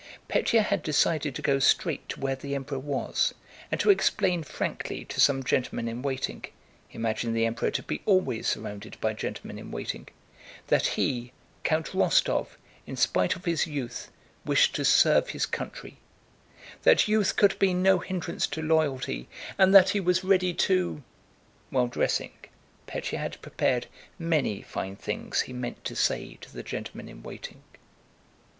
Pétya decided to go straight to where the Emperor was and to explain frankly to some gentleman in waiting (he imagined the Emperor to be always surrounded by gentlemen in waiting) that he, Count Rostóv, in spite of his youth wished to serve his country; that youth could be no hindrance to loyalty, and that he was ready to... While dressing, Pétya had prepared many fine things he meant to say to the gentleman in waiting.